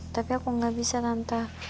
tapi aku gak bisa tante